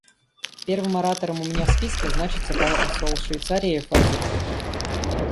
Первым оратором у меня в списке значится посол Швейцарии Фазель.